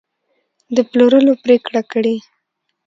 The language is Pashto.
د پلورلو پرېکړه کړې